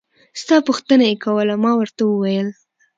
ستا پوښتنه يې کوله ما ورته وويل.